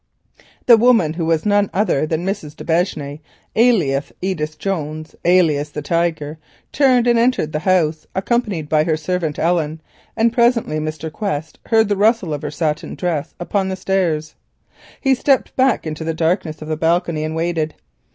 The woman, who was none other than Mrs. d'Aubigne, alias Edith Jones, alias the Tiger, turned and entered the house accompanied by her servant, Ellen, and presently Mr. Quest heard the rustle of her satin dress upon the stairs. He stepped back into the darkness of the balcony and waited.